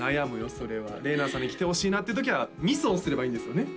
それはれいなさんに来てほしいなっていうときはミスをすればいいんですよね？